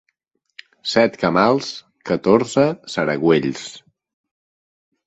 Set camals, catorze saragüells.